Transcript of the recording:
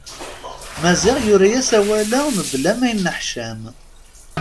Maziɣ yura-as awal-a mebla ma yenneḥtam.